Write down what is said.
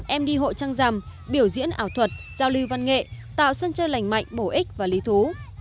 em đi hội trăng rằm biểu diễn ảo thuật giao lưu văn nghệ tạo sân chơi lành mạnh bổ ích và lý thú